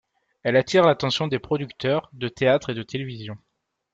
Elle attire l'attention des producteurs de théâtre et de télévision.